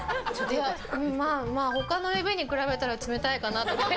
まあ、他の指に比べたら冷たいかなって。